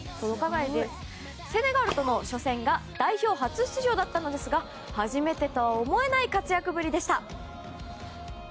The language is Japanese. セネガルとの初戦が代表初出場だったんですが初めてと思えない活躍ぶりでした。